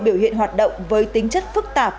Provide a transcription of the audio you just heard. biểu hiện hoạt động với tính chất phức tạp